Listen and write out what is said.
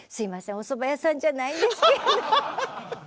おそば屋さんじゃないんですけど」って。